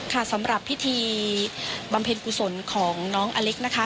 ค่ะสำหรับพิธีบำเพ็ญกุศลของน้องอเล็กนะคะ